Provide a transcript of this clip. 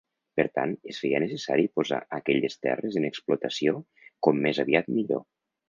Per tant, es feia necessari posar aquelles terres en explotació com més aviat millor.